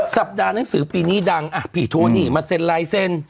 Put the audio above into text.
สัปดาห์หนังสือปีนี้ดังพี่โทนี่มาเซ็นไลน์เซ็น